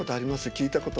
聴いたこと。